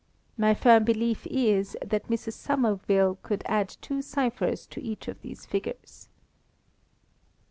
My firm belief is that Mrs. Somerville could add two cyphers to each of these figures."